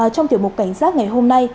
trong tiểu mục cảnh giác ngày hôm nay